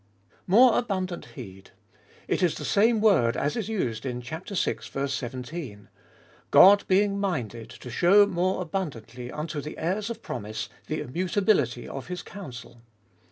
More abundant heed : it is the same word as is used in chap. vi. 17. " God being minded to shew more abundantly unto the heirs of the promise, the immutability of His counsel."